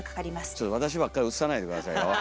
ちょっと私ばっかり映さないで下さいよ。